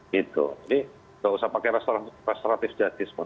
jadi tidak usah pakai restoratif jatis pun